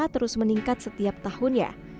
terus meningkat setiap tahunnya